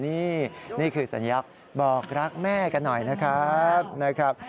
นี่คือสัญญาบอกรักแม่กันหน่อยนะครับ